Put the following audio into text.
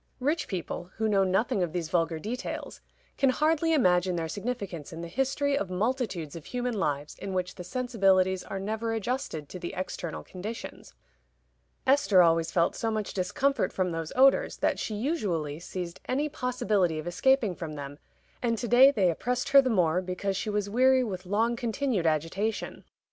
Rich people, who know nothing of these vulgar details, can hardly imagine their significance in the history of multitudes of human lives in which the sensibilities are never adjusted to the external conditions. Esther always felt so much discomfort from those odors that she usually seized any possibility of escaping from them, and to day they oppressed her the more because she was weary with long continued agitation.